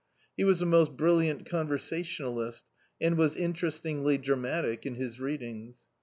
He was a most bril liant ctxiversationalist, and was interestingly dra matic in his readings.